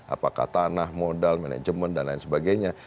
apakah tanah modal manajemen dan lain sebagainya